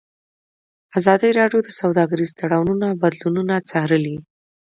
ازادي راډیو د سوداګریز تړونونه بدلونونه څارلي.